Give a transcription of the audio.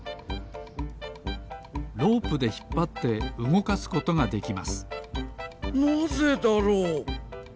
ロープでひっぱってうごかすことができますなぜだろう？